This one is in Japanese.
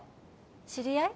知り合い？